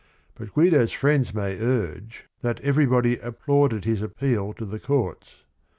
But Guido's friends may urge that everybody TERTIUM QUID 47 applauded his appeal to the courts.